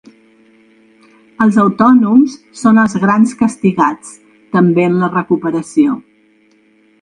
Els autònoms són els grans castigats, també en la recuperació.